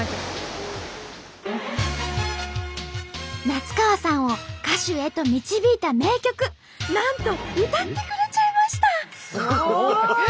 夏川さんを歌手へと導いた名曲なんと歌ってくれちゃいました！